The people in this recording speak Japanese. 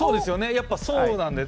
やっぱそうなんだよ。